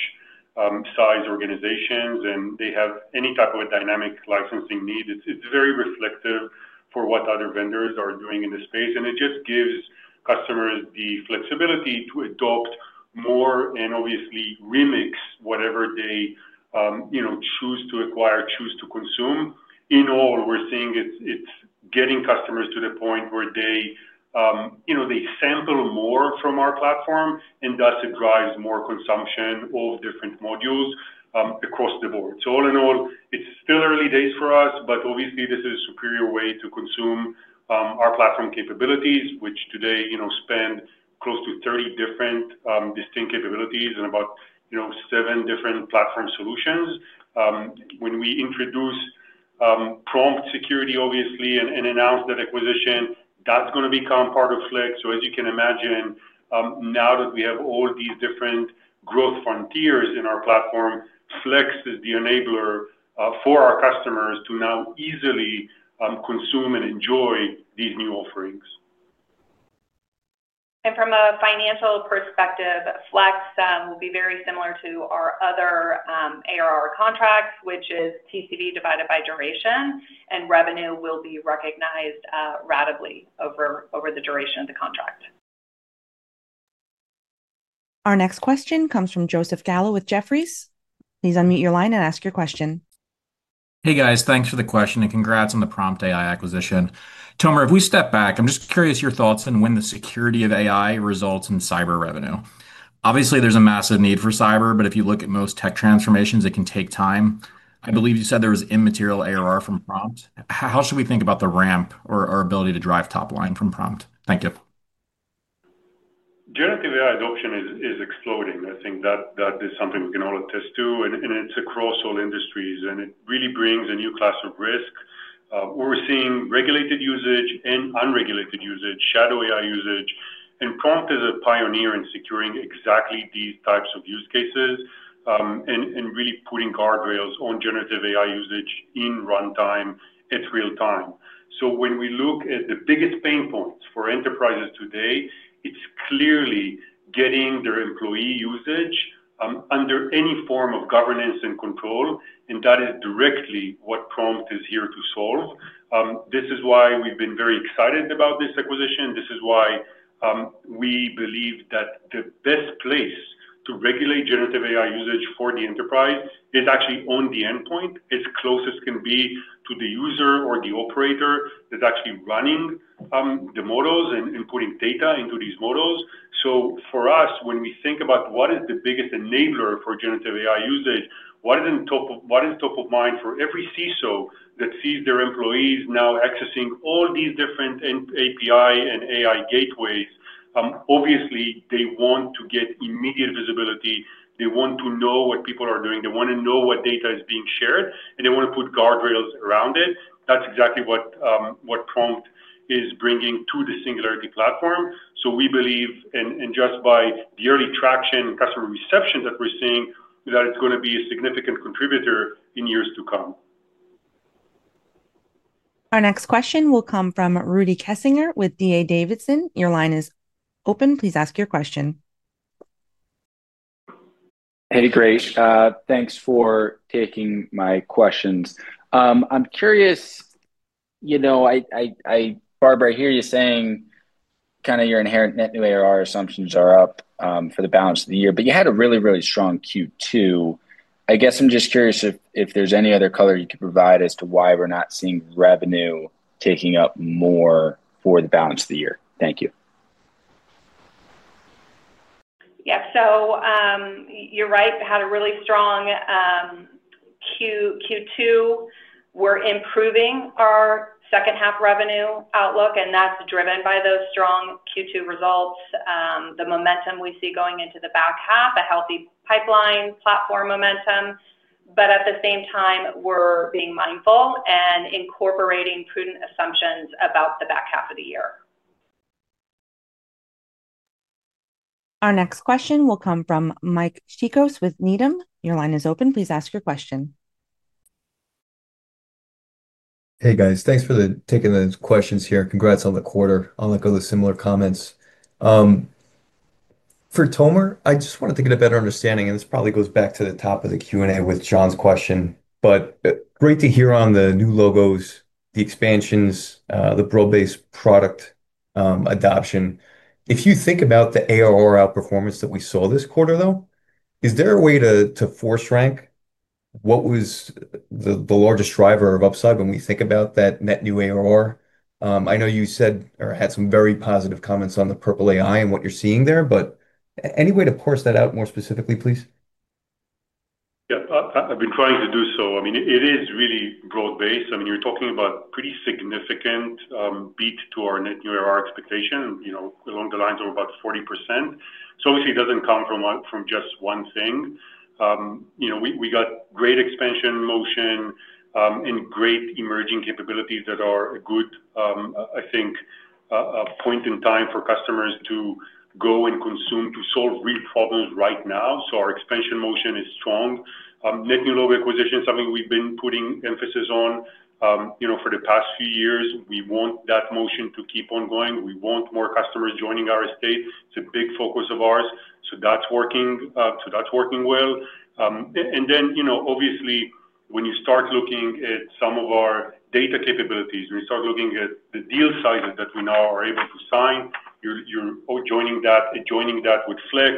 Speaker 3: size organizations, and they have any type of a dynamic licensing need. It's very reflective of what other vendors are doing in the space, and it just gives customers the flexibility to adopt more and obviously remix whatever they choose to acquire, choose to consume. In all we're seeing, it's getting customers to the point where they sample more from our platform, and thus it drives more consumption of different modules across the board. All in all, it's still early days for us, but obviously this is a superior way to consume our platform capabilities, which today span close to 30 different distinct capabilities and about seven different platform solutions. When we introduce Prompt Security, obviously, and announce that acquisition, that's going to become part of Flex. As you can imagine, now that we have all these different growth frontiers in our platform, Flex is the enabler for our customers to now easily consume and enjoy these new offerings.
Speaker 4: From a financial perspective, Flex will be very similar to our other ARR contracts, which is TCV divided by duration, and revenue will be recognized ratably over the duration of the contract.
Speaker 1: Our next question comes from Joseph Gallo with Jefferies. Please unmute your line and ask your question.
Speaker 8: Hey guys, thanks for the question and congrats on the Prompt AI acquisition. Tomer, if we step back, I'm just curious your thoughts on when the security of AI results in cyber revenue. Obviously there's a massive need for cyber, but if you look at most tech transformations, it can take time. I believe you said there was immaterial ARR from Prompt. How should we think about the ramp or our ability to drive top line from Prompt? Thank you.
Speaker 3: Generative AI adoption is exploding. I think that is something we can all attest to and it's across all industries, and it really brings a new class of risk. We're seeing regulated usage and unregulated usage, shadow AI usage, and Prompt is a pioneer in securing exactly these types of use cases and really putting guardrails on generative AI usage in runtime. It's real time. When we look at the biggest pain points for enterprises today, it's clearly getting their employee usage under any form of governance and control. That is directly what Prompt is here to solve. This is why we've been very excited about this acquisition. This is why we believe that the best place to regulate generative AI usage for the enterprise is actually on the endpoint, as close as can be to the user or the operator that's actually running the models and including data into these models. For us, when we think about what is the biggest enabler for generative AI usage, what is top of mind for every CISO that sees their employees now accessing all these different API and AI gateways, obviously they want to get immediate visibility, they want to know what people are doing, they want to know what data is being shared, and they want to put guardrails around it. That's exactly what Prompt is bringing to the Singularity Platform. We believe, and just by the early traction customer reception that we're seeing, that it's going to be a significant contributor in years to come.
Speaker 1: Our next question will come from Rudy Kessinger with D.A. Davidson. Your line is open. Please ask your question.
Speaker 9: Hey Grace, thanks for taking my questions. I'm curious. Barbara, I hear you saying kind of your inherent net new ARR assumptions are up for the balance of the year, but you had a really, really strong Q2. I'm just curious if there's any other color you could provide as to why we're not seeing revenue taking up more for the balance of the year. Thank you.
Speaker 4: Yeah, so you're right, had a really strong Q2. We're improving our second half revenue outlook, and that's driven by those strong Q2 results, the momentum we see going into the back half, a healthy pipeline, platform momentum. At the same time, we're being mindful and incorporating prudent assumptions about the back half of the year.
Speaker 1: Our next question will come from Mike Tikos with Needham. Your line is open. Please ask your question.
Speaker 10: Hey guys, thanks for taking the questions here. Congrats on the quarter. I'll let go the similar comments for Tomer. I just wanted to get a better understanding and this probably goes back to the top of the Q&A with John's question, but great to hear on the new logos, the expansions, the pro-based product adoption. If you think about the ARR outperformance that we saw this quarter though, is there a way to force rank what was the largest driver of upside when we think about that net new ARR? I know you said or had some very positive comments on the Purple AI and what you're seeing there, but any way to parse that out more specifically please?
Speaker 3: Yeah, I've been trying to do so. I mean it is really broad-based. I mean you're talking about pretty significant beat to our net new ARR expectation, you know, along the lines of about 40%. Obviously it doesn't come from just one thing. We got great expansion motion and great emerging capabilities that are a good, I think, point in time for customers to go and consume to solve real problems right now. Our expansion motion is strong, net new logo acquisition, something we've been putting emphasis on for the past few years. We want that motion to keep on going. We want more customers joining our estate. It's a big focus of ours. That's working well. When you start looking at some of our data capabilities, when you start looking at the deal sizes that we now are able to sign, you're all joining that with Flex.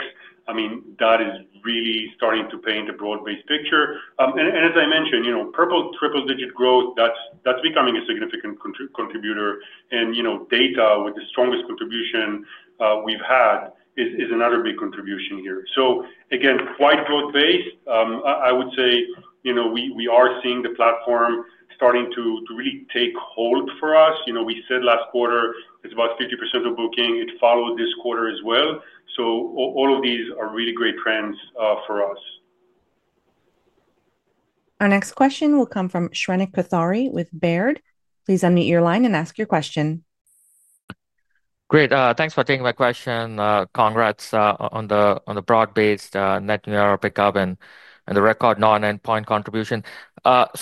Speaker 3: I mean that is really starting to paint a broad-based picture and as I mentioned, Purple triple-digit growth that's becoming a significant contributor and data with the strongest contribution we've had is another big contribution here. Again, quite broad-based I would say we are seeing the platform starting to really take hold for us. We said last quarter it's about 50% of booking. It followed this quarter as well. All of these are really great trends for us.
Speaker 1: Our next question will come from Shrenik Kothari with Baird. Please unmute your line and ask your question.
Speaker 11: Great, thanks for taking my question. Congrats on the broad-based net new ARR pickup and the record non-endpoint contribution.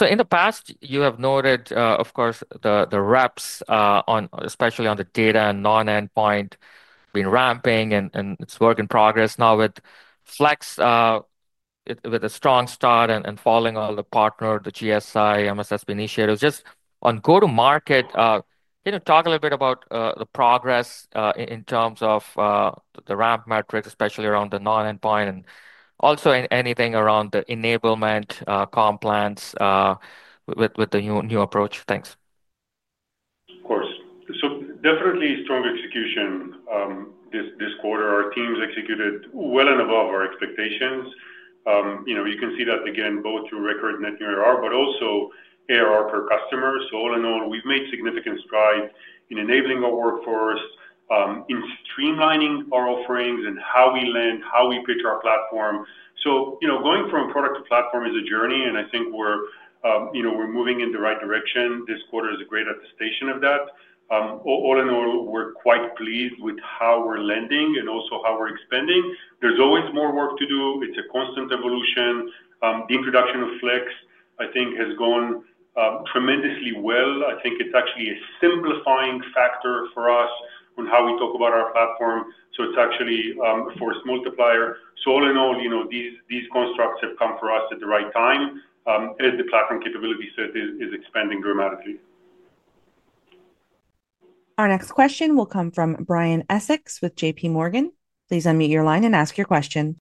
Speaker 11: In the past you have noted, of course, the reps, especially on the data and non-endpoint, have been ramping and it's work in progress. Now with Flex, with a strong start and following all the partner, the GSI MSSP initiatives, just on go-to-market, talk a little bit about the progress in terms of the ramp metrics, especially around the non-endpoint, and also anything around the enablement compliance with the new approach. Thanks.
Speaker 3: Of course. Definitely strong execution this quarter. Our teams executed well and above our expectations. You can see that again both through record net new ARR but also ARR per customer. All in all, we've made significant stride in enabling our workforce, in streamlining our offerings and how we land, how we pitch our platform. Going from product to platform is a journey and I think we're moving in the right direction. This quarter is a great attestation of that. All in all, we're quite pleased with how we're landing and also how we're expanding. There's always more work to do. It's a constant evolution. The introduction of Flex I think has gone tremendously well. I think it's actually a simplifying factor for us on how we talk about our platform. It's actually a force multiplier. All in all, these constructs have come for us at the right time as the platform capability set is expanding dramatically.
Speaker 1: Our next question will come from Brian Essex with JPMorgan. Please unmute your line and ask your question.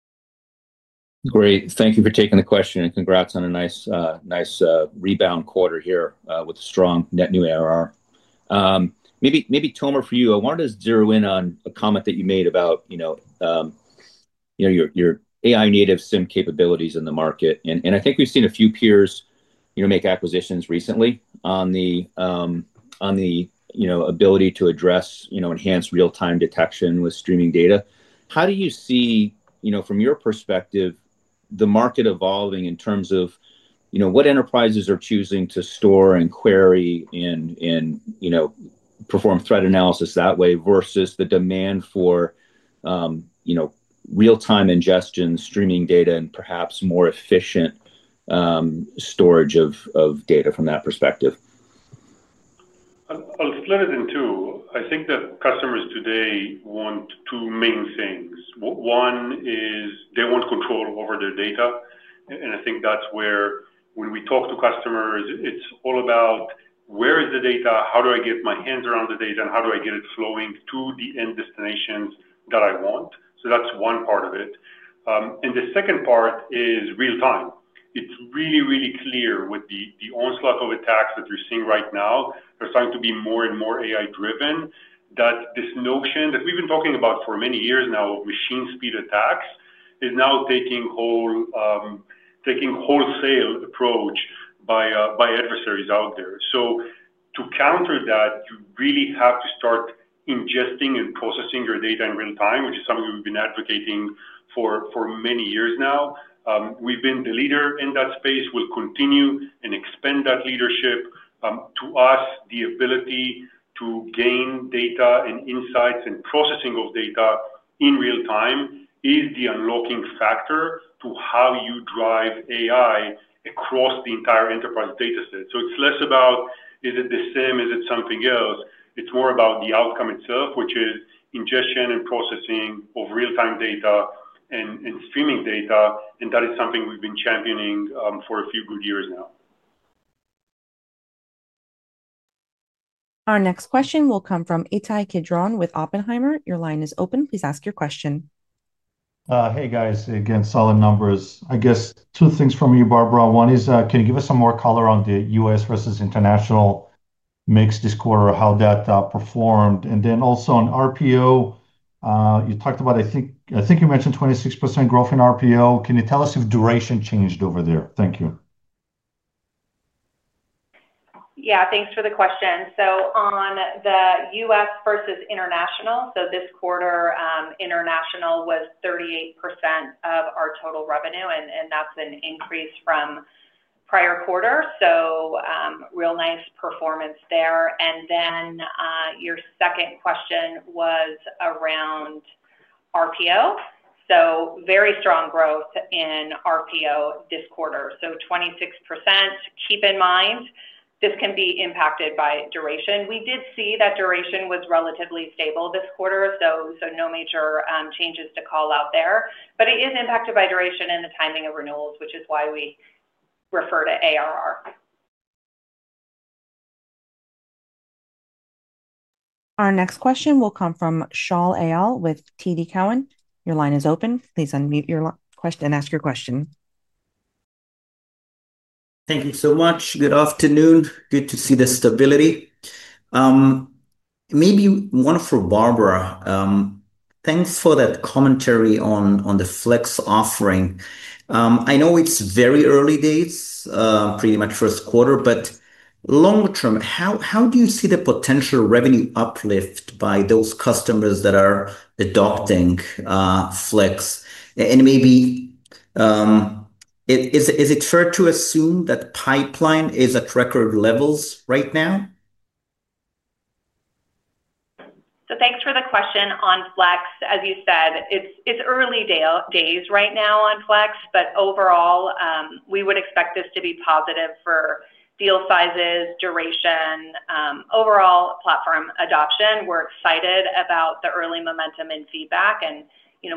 Speaker 12: Great, thank you for taking the question and congrats on a nice, nice rebound quarter here with a strong net new ARR. Maybe Tomer, for you, I wanted to zero-in on a comment that you made about. You know. Your AI-native SIEM capabilities in the market. I think we've seen a few peers make acquisitions recently on the ability to address enhanced real-time detection with streaming data. How do you see, from your perspective, the market evolving in terms of what enterprises are choosing to store and query and perform threat analysis that way versus the demand for real-time ingestion, streaming data, and perhaps more efficient storage of data from that perspective.
Speaker 3: I'll split it in two. I think that customers today want two main things. One is they want control over their data. I think that's where, when we talk to customers, it's all about where is the data, how do I get my hands around the data, and how do I get it flowing to the end destinations that I want. That's one part of it. The second part is real time. It's really, really clear with the onslaught of attacks that you're seeing right now are starting to be more and more AI-driven, that this notion that we've been talking about for many years now, machine speed attacks, is now taking wholesale approach by adversaries out there. To counter that, you really have to start ingesting and processing your data in real time, which is something we've been advocating for many years now. We've been the leader in that space. We'll continue and expand that leadership. To us, the ability to gain data and insights and processing of data in real time is the unlocking factor to how you drive AI across the entire enterprise data set. It's less about, is it the SIEM, is it something else? It's more about the outcome itself, which is ingestion and processing of real-time data and streaming data. That is something we've been championing for a few good years now.
Speaker 1: Our next question will come from Ittai Kidron with Oppenheimer. Your line is open. Please ask your question.
Speaker 13: Hey guys, again, solid numbers. I guess two things from you, Barbara. One is can you give us some more color on the U.S. versus international mix this quarter? How that performed. Also on RPO, you talked about, I think you mentioned 26% growth in RPO. Can you tell us if duration changed over there? Thank you.
Speaker 4: Yeah, thanks for the question. On the U.S. versus international, this quarter, international was 38% of our total revenue, and that's an increase from prior quarter. Real nice performance there. Your second question was around RPO. Very strong growth in RPO this quarter, 26%. Keep in mind, this can be impacted by duration. We did see that duration was relatively stable this quarter, no major changes to call out there. It is impacted by duration and the timing of renewals, which is why we refer to ARR.
Speaker 1: Our next question will come from Shaul Eyal with TD Cowen. Your line is open. Please unmute your question and ask your question.
Speaker 14: Thank you so much. Good afternoon. Good to see the stability. Maybe one for Barbara. Thanks for that commentary on the Flex offering. I know it's very early days, pretty much first quarter, but longer term, how do you see the potential revenue uplift by those customers that are adopting Flex? And maybe. Is it fair to assume that pipeline is at record levels right now?
Speaker 4: Thank you for the question on Flex. As you said, it's early days right now on Flex, but overall we would expect this to be positive for deal sizes, duration, and overall platform adoption. We're excited about the early momentum and feedback, and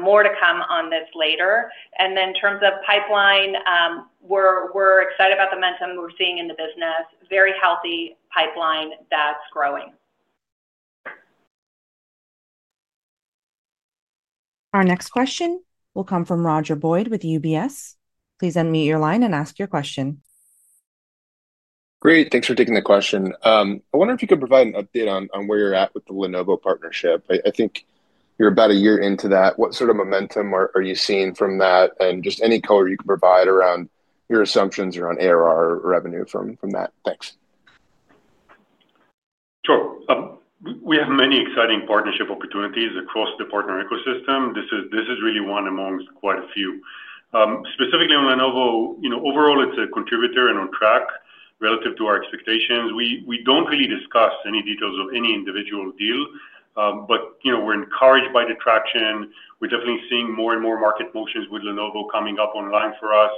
Speaker 4: more to come on this later. In terms of pipeline, we're excited about the momentum we're seeing in the business. Very healthy pipeline that's growing.
Speaker 1: Our next question will come from Roger Boyd with UBS. Please unmute your line and ask your question.
Speaker 15: Great. Thanks for taking the question. I wonder if you could provide an. Update on where you're at with the Lenovo partnership. I think you're about a year into that. What sort of momentum are you seeing from that? Any color you can provide around your assumptions around ARR revenue from that. Thanks.
Speaker 3: Sure. We have many exciting partnership opportunities across the partner ecosystem. This is really one amongst quite a few. Specifically on Lenovo, overall, it's a contributor and on track relative to our expectations. We don't really discuss any details of any individual deal, but we're encouraged by the traction. We're definitely seeing more and more market motions with Lenovo coming up online for us.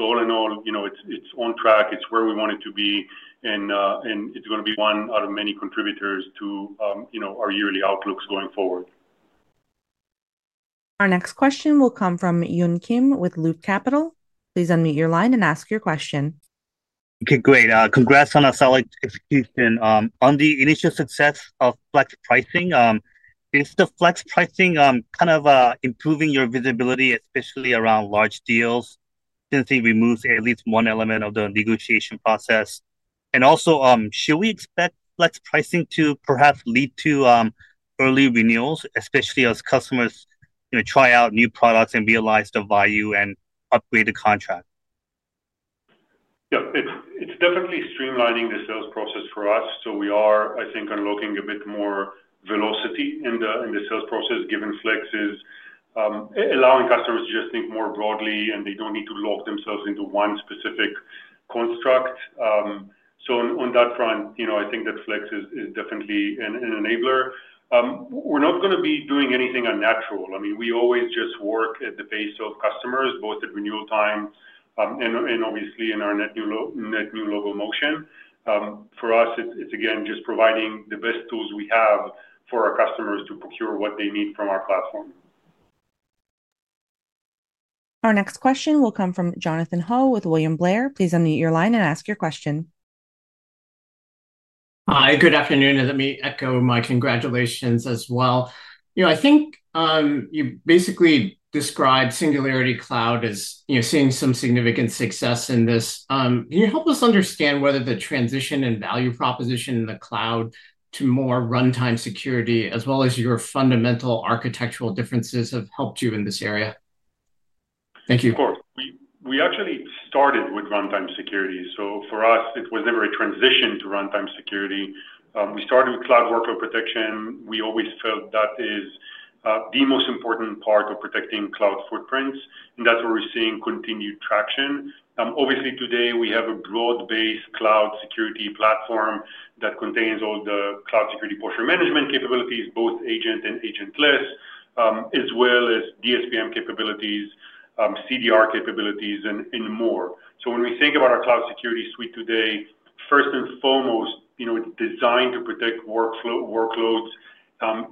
Speaker 3: All in all, it's on track, it's where we want it to be, and it's going to be one out of many contributors to our yearly outlooks going forward.
Speaker 1: Our next question will come from Yun Kim with Loop Capital. Please unmute your line and ask your question.
Speaker 16: Okay, great. Congrats on a solid execution on the initial success of Flex pricing. Is the Flex pricing kind of improving your visibility, especially around large deals, since it removes at least one element of the negotiation process? Also, should we expect Flex pricing to perhaps lead to early renewals, especially as customers try out new products and realize the value and upgrade the contract?
Speaker 3: Yeah, it's definitely streamlining the sales process for us. We are, I think, unlocking a bit more velocity in the sales process given Flex is allowing customers to just think more broadly and they don't need to lock themselves into one specific construct. On that front, I think that Flex is definitely an enabler. We're not going to be doing anything unnatural. I mean, we always just work at the pace of customers, both at renewal time and obviously in our net new locomotion. For us, it's again just providing the best tools we have for our customers to procure what they need from our platform.
Speaker 1: Our next question will come from Jonathan Ho with William Blair. Please unmute your line and ask your question.
Speaker 17: Hi, good afternoon. Let me echo my congratulations as well. I think you basically described Singularity Cloud as seeing some significant success in this. Can you help us understand whether the transition and value proposition cloud to more runtime security as well as your fundamental architectural differences have helped you in this area? Thank you.
Speaker 3: We actually started with runtime security, so for us it was never a transition to runtime security. We started with cloud workload protection. We always felt that is the most important part of protecting cloud footprints, and that's where we're seeing continued traction. Obviously, today we have a broad-based cloud security platform that contains all the cloud security posture management capabilities, both agent and agentless, as well as DSPM capabilities, CDR capabilities, and more. When we think about our cloud security suite today, first and foremost it's designed to protect workloads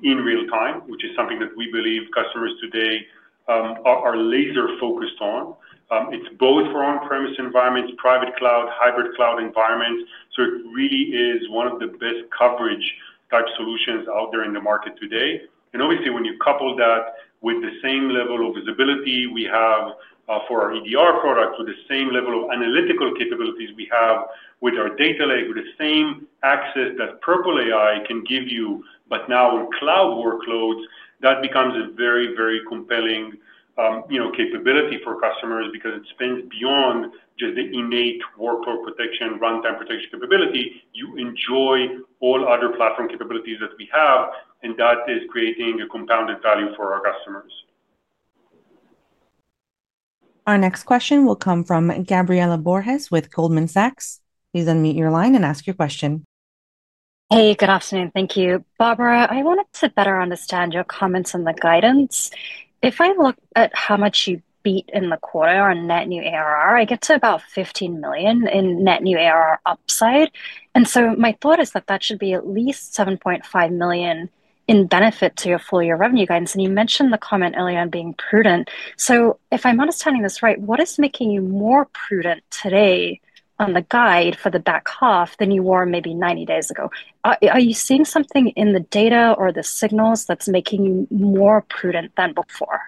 Speaker 3: in real time, which is something that we believe customers today are laser-focused on. It's both for on-premise environments, private cloud, and hybrid cloud environments. It really is one of the best coverage type solutions out there in the market today. Obviously, when you couple that with the same level of visibility we have for our EDR products, with the same level of analytical capabilities we have with our data lake, with the same access that Purple AI can give you, now in cloud workloads, that becomes a very, very compelling capability for customers because it spins beyond just the innate workload protection, runtime protection capability. You enjoy all other platform capabilities that we have, and that is creating a compounded value for our customers.
Speaker 1: Our next question will come from Gabriela Borges with Goldman Sachs. Please unmute your line and ask your question.
Speaker 18: Hey, good afternoon. Thank you, Barbara. I wanted to better understand your comments on the guidance. If I look at how much you. Beat in the quarter on net new. ARR, I get to about $15 million. In net new ARR upside. My thought is that that should be at least $7.5 million in benefit to your full year revenue guidance. You mentioned the comment earlier on being prudent. If I'm understanding this right, what. Is making you more prudent today. The guide for the back half then. You were maybe 90 days ago? Are you seeing something in the data? Are the signals that's making you more prudent than before?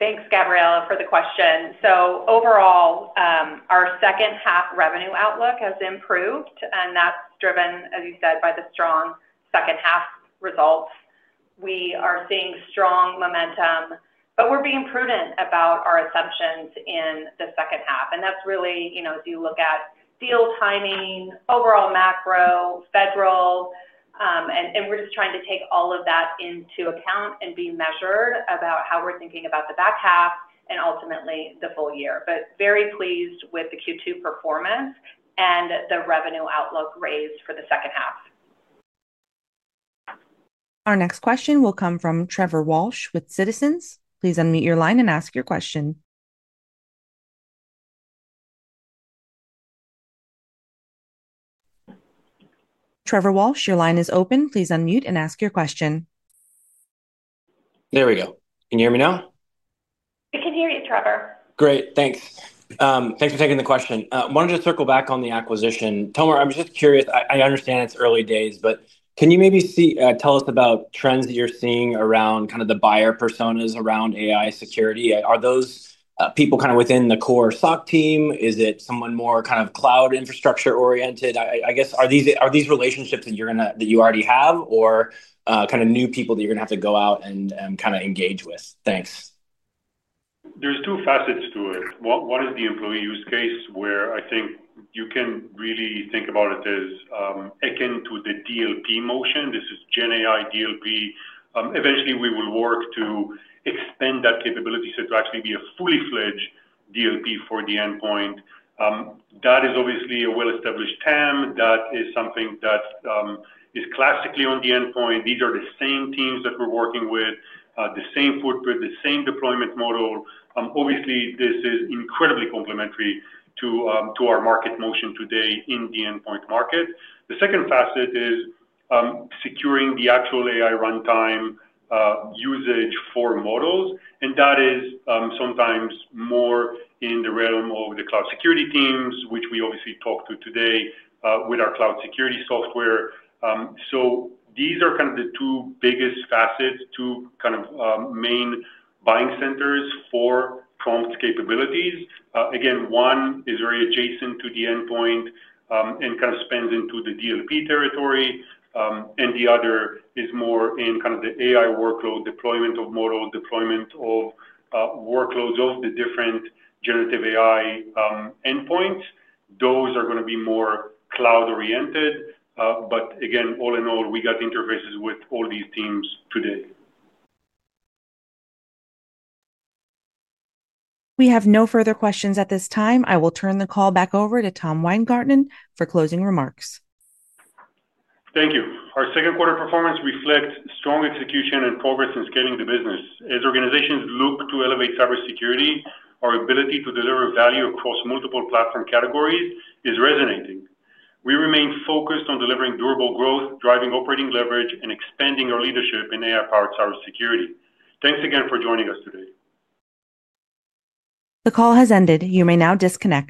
Speaker 4: Thanks, Gabriela, for the question. Overall, our second half revenue outlook has improved, and that's driven, as you said, by the strong second half results. We are seeing strong momentum, but we're being prudent about our assumptions in the second half. That's really, you know, as you look at deal timing, overall macro, federal, and we're just trying to take all of that into account and be measured about how we're thinking about the back half and ultimately the full year. Very pleased with the Q2 performance and the revenue outlook raised for the second half.
Speaker 1: Our next question will come from Trevor Walsh with Citizens. Please unmute your line and ask your question. Trevor Walsh, your line is open. Please unmute and ask your question.
Speaker 19: There we go. Can you hear me now?
Speaker 4: We can hear you, Trevor.
Speaker 19: Great, thanks. Thanks for taking the question. I wanted to circle back on the acquisition. Tomer, I was just curious. I understand it's early days, but can you maybe tell us about trends you're seeing around kind of the buyer personas around AI Security. Are those people within the core SOC team? Is it someone more cloud infrastructure oriented? I guess. Are these relationships that you already have, or new people that you're going to have to go out and engage with? Thanks.
Speaker 3: There's two facets to it. One is the employee use case where I think you can really think about it as akin to the DLP motion. This is GenAI DLP. Eventually we will work to extend that capability to actually be a fully-fledged DLP for the endpoint. That is obviously a well-established TAM. That is something that is classically on the endpoint. These are the same teams that we're working with, the same footprint, the same deployment model. Obviously, this is incredibly complementary to our market motion today in the endpoint market. The second facet is securing the actual AI runtime usage for models, and that is sometimes more in the realm of the cloud security teams, which we obviously talk to today with our cloud security software. These are the two biggest facets, two main buying centers for Prompt capabilities. Again, one is very adjacent to the endpoint and spans into the DLP territory, and the other is more in the AI workload deployment of model, deployment of workloads of the different generative AI endpoints. Those are going to be more cloud-oriented. Again, all in all, we got interfaces with all these teams today.
Speaker 1: We have no further questions at this time. I will turn the call back over to Tom Weingarten for closing remarks.
Speaker 3: Thank you. Our second quarter performance reflects strong execution and progress in scaling the business. As organizations look to elevate cybersecurity, our ability to deliver value across multiple platform categories is resonating. We remain focused on delivering durable growth, driving operating leverage, and expanding our leadership in AI-powered cybersecurity. Thanks again for joining us today.
Speaker 1: The call has ended. You may now disconnect.